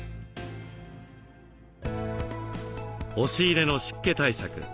押し入れの湿気対策。